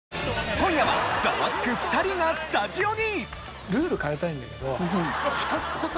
今夜は『ザワつく！』２人がスタジオに！